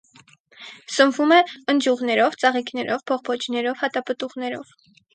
Սնվում է ընձյուղներով, ծաղիկներով, բողբոջներով, հատապտուղներով։